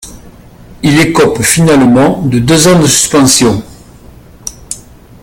Il écope finalement de deux ans de suspension.